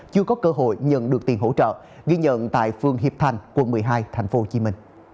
chưa có cơ hội nhận được tiền hỗ trợ ghi nhận tại phường hiệp thành quận một mươi hai tp hcm